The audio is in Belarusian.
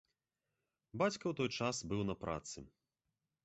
Бацька ў той час быў на працы.